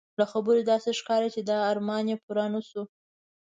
له خبرو داسې ښکاري چې دا ارمان یې پوره نه شو.